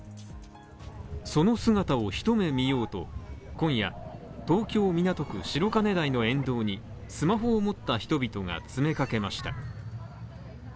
その姿を一目見ようと今夜、東京・港区白金台の沿道にスマホを持った人々が詰めかけました。